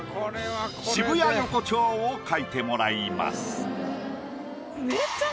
渋谷横丁を描いてもらいます。